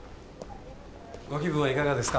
ご気分はいかがですか？